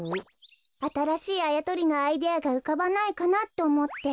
あたらしいあやとりのアイデアがうかばないかなっておもって。